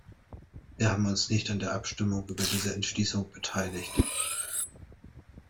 Wir haben uns nicht an der Abstimmung über diese Entschließung beteiligt.